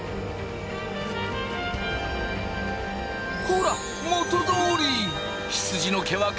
ほら元どおり！